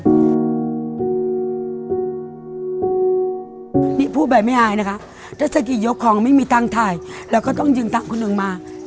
นาตาพูดแบบต่างไม่อายนะคะถ้าจะเกี่ยวกของไม่ตั้งไทยเราก็ต้องยึงต่างคนนึงมา